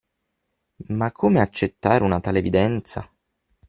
Ma come accettare una tale evidenza?